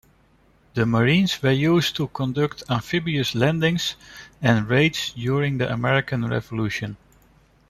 The Marines were used to conduct amphibious landings and raids during the American Revolution.